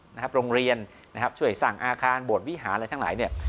นะครับโรงเรียนนะครับช่วยสร้างอาคารบวชวิหารอะไรทั้งหลายเนี่ย